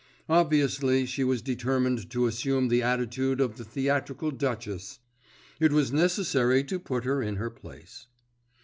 Obviously she was determined to assume the attitude of the theatrical duchess. It was necessary to put her in her place.